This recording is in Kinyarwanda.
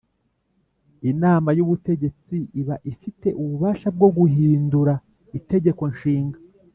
Inama y ubutegetsi iba ifite ububasha bwo guhindura itegeko nshinga